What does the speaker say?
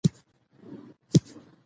ژوند د ستونزو په منځ کي د حل لارې ښيي.